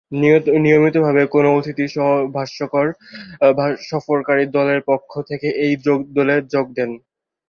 নিয়মিতভাবে কোনও অতিথি সহ-ভাষ্যকার সফরকারী দলের পক্ষ থেকে এই দলে যোগ দেন।